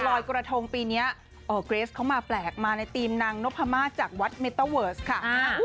ลอยกระทงปีนี้เกรสเขามาแปลกมาในธีมนางนพมาศจากวัดเมตเตอร์เวิร์สค่ะ